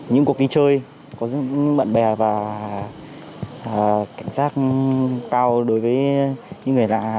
những cuộc đi chơi có những bạn bè và cảnh sát cao đối với những người nạn